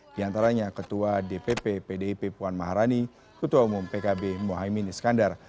di antaranya ketua dpp pdip puan maharani ketua umum pkb mohaimin iskandar